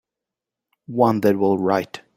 One that will write.